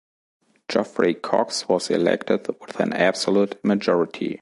Geoffrey Cox was elected with an absolute majority.